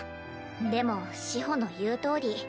でも志穂の言うとおり。